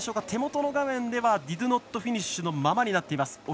手元の画面ではディドゥノットフィニッシュのままになっています。